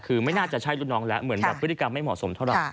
คือไม่น่าจะใช่รุ่นน้องแล้วเหมือนแบบพฤติกรรมไม่เหมาะสมเท่าไหร